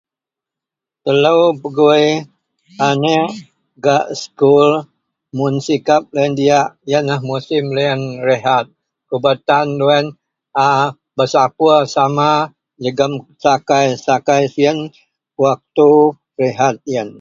Melo pegui anek gak sekul mun sikap loyen diyak iyenlah musim loyen rehat kuba tan loyen a pesapur sama jegum sakai-sakai siyen waktu rehat iyen.